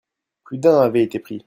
Plus d'un avait été pris.